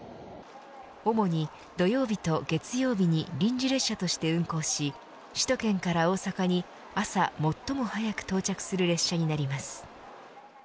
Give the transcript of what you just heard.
主に土曜日と月曜日に臨時列車として運行し首都圏から大阪に朝最も早く到着する列車になります。